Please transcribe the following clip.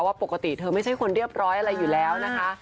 ว่าปกติเธอไม่ใช่คนเรียบร้อยอะไรอยู่แล้วนะคะ